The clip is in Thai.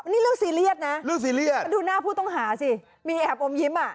นี่เรื่องซีเรียสนะดูหน้าผู้ต้องหาสิมีแอบอมยิ้ม